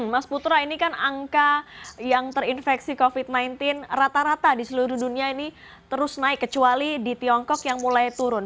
mas putra ini kan angka yang terinfeksi covid sembilan belas rata rata di seluruh dunia ini terus naik kecuali di tiongkok yang mulai turun